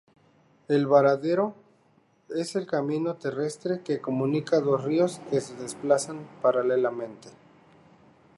El varadero es el camino terrestre que comunica dos ríos que se desplazan paralelamente.